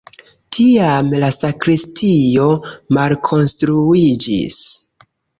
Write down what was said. Tiam la sakristio malkonstruiĝis.